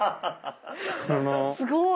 すごい！